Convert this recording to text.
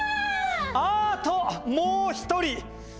あともう１人！